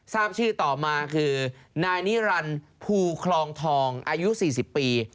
ทราบชื่อต่อมาคือนายนิรันดิ์ภูคลองทองอายุ๔๐ปี